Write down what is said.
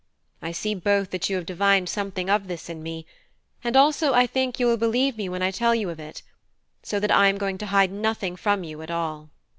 I see both that you have divined something of this in me; and also I think you will believe me when I tell you of it, so that I am going to hide nothing from you at all."